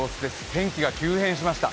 天気が急変しました。